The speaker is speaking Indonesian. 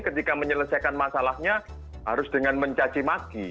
ketika menyelesaikan masalahnya harus dengan mencacimaki